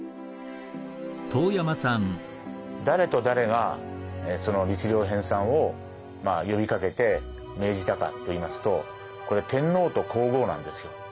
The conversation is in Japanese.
誰と誰がその律令編さんを呼びかけて命じたかと言いますとこれ天皇と皇后なんですよ。